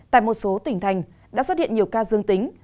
tại một số tỉnh thành đã xuất hiện nhiều ca dương tính